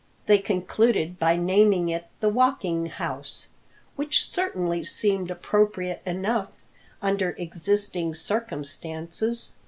They concluded by naming it the Walking House, which certainly seemed appropriate enough under existing circumstances.